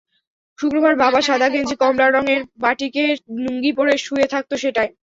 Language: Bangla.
শুক্রবার বাবা সাদা গেঞ্জি, কমলা রঙের বাটিকের লুঙ্গি পরে শুয়ে থাকত সেটায়।